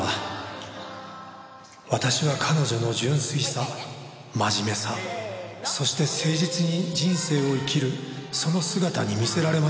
「私は彼女の純粋さ真面目さそして誠実に人生を生きるその姿に魅せられました」